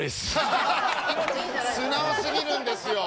素直過ぎるんですよ。